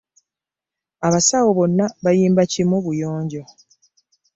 Abasawo bonna bayimba kimu buyonjo.